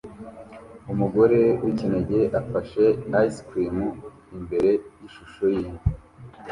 Umugore wikinege afashe ice cream imbere yishusho yinka